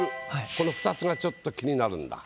この２つがちょっと気になる。